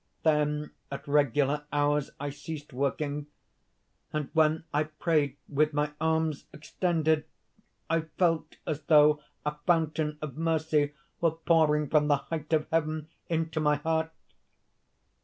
"Then at regular hours I ceased working; and when I prayed with my arms extended, I felt as though a fountain of mercy were pouring from the height of heaven into my heart.